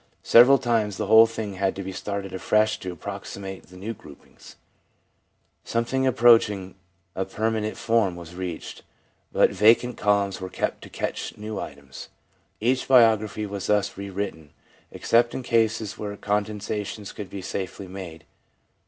Several times the whole thing had to be started afresh to approximate the new groupings. Soon some thing approaching a permament form was reached, but vacant columns were kept to catch new items. Each biography was thus re written, except in cases where con densations could be safely made.